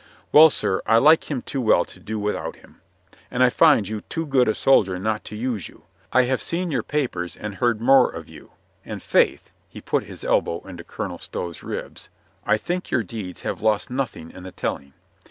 "Well, sir, I like him too well to do with out him. And I find you too good a soldier not to use you. I have seen your papers and heard more of you, and faith," he put his elbow into Colonel Stow's ribs, "I think your deeds have lost nothing in the telling.